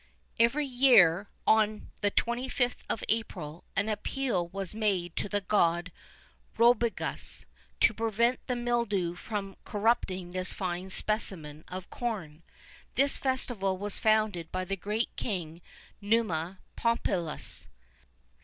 Every year, on the 25th of April, an appeal was made to the god Robigus, to prevent the mildew from corrupting this fine specimen of corn. This festival was founded by the great king, Numa Pompilius.